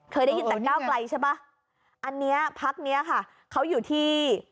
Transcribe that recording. เคยได้ยินแต่ก้าวไกลใช่ป่ะอันเนี้ยพักเนี้ยค่ะเขาอยู่ที่